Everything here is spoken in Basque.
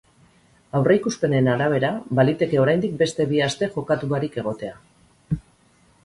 Aurreikuspenen arabera, baliteke oraindik beste bi aste jokatu barik egotea.